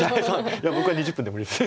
いや僕は２０分でも無理です。